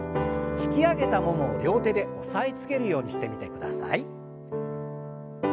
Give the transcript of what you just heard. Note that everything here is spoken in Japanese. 引き上げたももを両手で押さえつけるようにしてみてください。